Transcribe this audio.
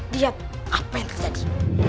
lihat apa yang terjadi